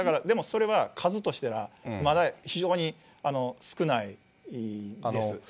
でもそれは数としてはまだ非常に少ないんです。